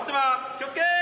気を付け！